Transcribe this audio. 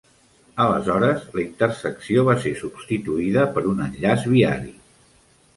Aleshores, la intersecció va ser substituïda per un enllaç viari.